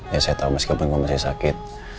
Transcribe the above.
ya saya tahu meskipun kamu masih sakit